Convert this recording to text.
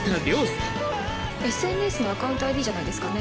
ＳＮＳのアカウントＩＤじゃないですかね？